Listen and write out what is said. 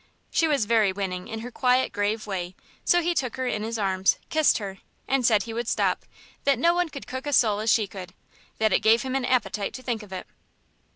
She was very winning in her quiet, grave way, so he took her in his arms, kissed her, and said he would stop, that no one could cook a sole as she could, that it gave him an appetite to think of it.